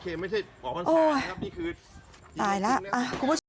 โอ้ยตายแล้ว